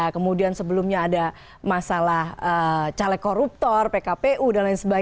kemudian sebelumnya ada masalah caleg koruptor pkpu dsb